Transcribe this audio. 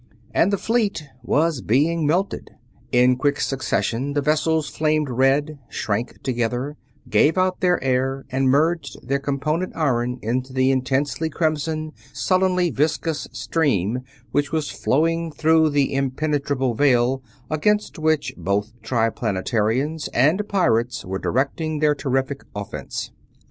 And the fleet was being melted. In quick succession the vessels flamed red, shrank together, gave out their air, and merged their component iron into the intensely crimson, sullenly viscous stream which was flowing through the impenetrable veil against which both Triplanetarians and pirates were directing their terrific offense.